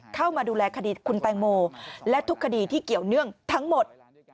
เข้ามาดูแลคดีคุณแตงโมและทุกคดีที่เกี่ยวเนื่องทั้งหมด